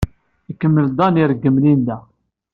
Ikemmel Dan ireggem Linda.